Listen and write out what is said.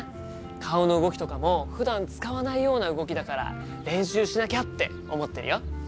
顔の動きとかもふだん使わないような動きだから練習しなきゃって思ってるよ。